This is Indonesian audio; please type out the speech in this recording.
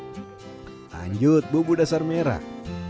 lanjut bumbu dasar merah